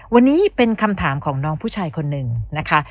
วันนี้เป็นคำถามของน้องผู้ชายคนหนึ่งนะคะ